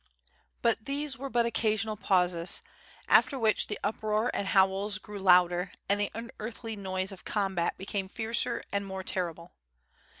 But these were but occasional pauses, after which the up roar and howls grew louder and the unearthly noise of com bat became fiercer and more terrible.